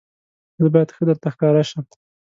زه باید ښه درته ښکاره شم.